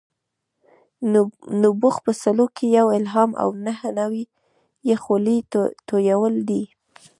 نبوغ په سلو کې یو الهام او نهه نوي یې خولې تویول دي.